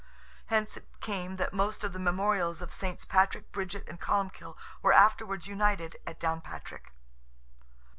Hence it came that most of the memorials of SS. Patrick, Bridget, and Columbkill, were afterwards united at Downpatrick.